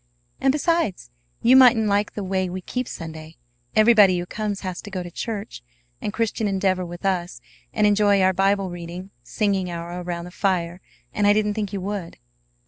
"And, besides, you mightn't like the way we keep Sunday. Everybody who comes has to go to church and Christian Endeavor with us, and enjoy our Bible reading, singing hour around the fire; and I didn't think you would."